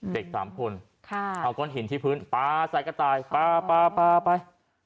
เด็ก๓คนเอาก้อนหินที่พื้นปลาใส่กระต่ายปลาไป